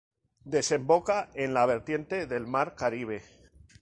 Desemboca en la vertiente del mar caribe.